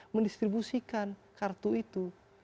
mendistribusikan kartu itu